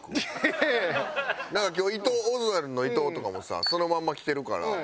なんか今日伊藤オズワルドの伊藤とかもさそのまんまきてるから。